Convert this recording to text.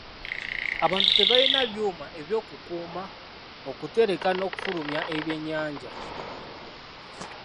Abantu tebalina byuma eby'okukuuma, okutereka n'okufulumya ebyennyanja.